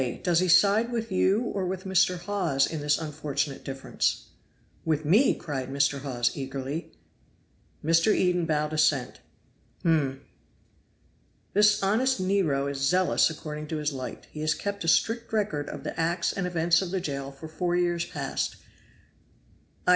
does he side with you or with Mr. Hawes in this unfortunate difference?" "With me!" cried Mr. Hawes eagerly. Mr. Eden bowed assent. "Hum!" "This honest Nero is zealous according to his light; he has kept a strict record of the acts and events of the jail for four years past; i.